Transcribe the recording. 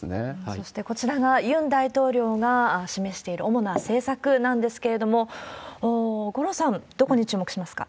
そして、こちらがユン大統領が示している主な政策なんですけれども、五郎さん、どこに注目しますか？